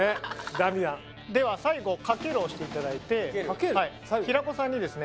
ダミアンでは最後かけるを押していただいて平子さんにですね